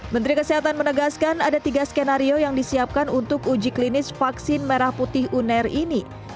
menteri kesehatan menegaskan ada tiga skenario yang disiapkan untuk uji klinis vaksin merah putih uner ini